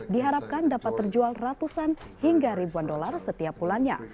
diharapkan dapat terjual ratusan hingga ribuan dolar setiap bulannya